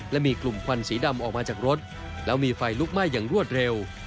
และมีกลุ่มควันสีดำออกมาจากรถแล้วมีไฟลุกไหม้อย่างรวดเร็ว